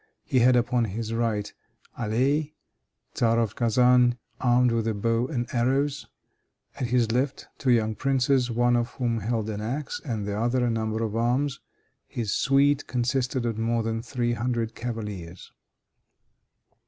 He had upon his right, Aley, tzar of Kazan, armed with a bow and arrows; at his left, two young princes, one of whom held an ax, and the other a number of arms. His suite consisted of more than three hundred cavaliers."